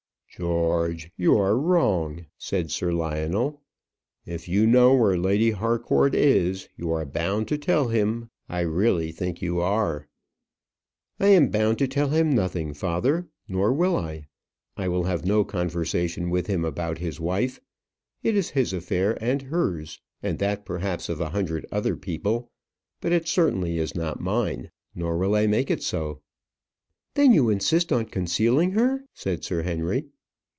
"George, you are wrong," said Sir Lionel. "If you know where Lady Harcourt is, you are bound to tell him. I really think you are." "I am bound to tell him nothing, father; nor will I. I will have no conversation with him about his wife. It is his affair and hers and that, perhaps, of a hundred other people; but it certainly is not mine. Nor will I make it so." "Then you insist on concealing her?" said Sir Henry.